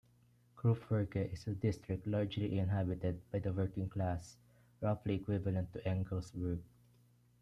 Kruppwerke is a district largely inhabited by the working class, roughly equivalent to Engelsburg.